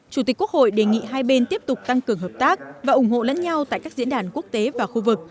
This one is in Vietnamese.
chủ tịch quốc hội đề nghị hai bên tiếp tục tăng cường hợp tác và ủng hộ lẫn nhau tại các diễn đàn quốc tế và khu vực